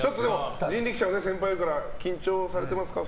人力舎の先輩だから緊張されてますか？